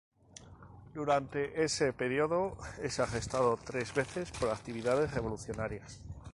Durante ese periodo, es arrestado tres veces por actividades revolucionarias.